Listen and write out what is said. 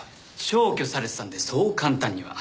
消去されてたんでそう簡単には。